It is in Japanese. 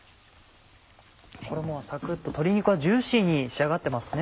衣はサクっと鶏肉はジューシーに仕上がってますね。